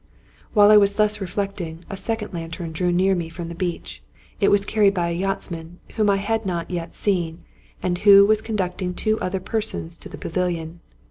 While I was thus reflecting, a second lantern drew near me from the beach. It was carried by a yachtsman whom I had not yet seen, and who was conducting two other per sons to the pavilion.